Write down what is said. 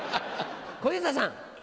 小遊三さん。